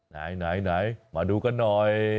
ไหนมาดูกันหน่อย